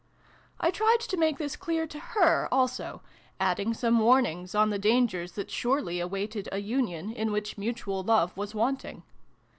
I tried to make this clear to her also, adding some warnings on the dangers that surely awaited a union in which mutual love was wanting.